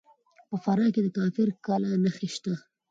په فراه کې د کافر کلا نښې شته